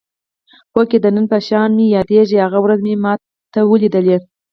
هوکې د نن په شان مې یادېږي هغه ورځ چې ما ته ولیدلې.